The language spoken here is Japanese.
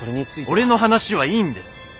俺の話はいいんです。